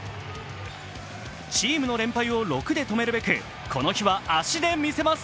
チームの連敗を６で止めるべくこの日は足で見せます。